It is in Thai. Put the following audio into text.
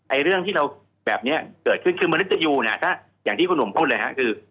เรื่องที่เราแบบนี้เกิดขึ้นคือมนุษยูเนี่ยถ้าอย่างที่คุณหนุ่มพูดเลยฮะคือ